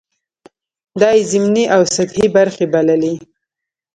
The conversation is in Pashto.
دا یې ضمني او سطحې برخې بللې.